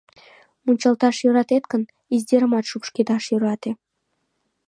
— Мунчалташ йӧратет гын, издержымат шупшкедаш йӧрате...